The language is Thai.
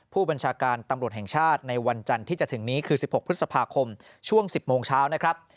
ผู้บัญชาการตำรวจแห่งชาติในวันจันทร์ที่จะถึงนี้คือ๑๖พฤษภาคมช่วง๑๐โมงเช้านะครับ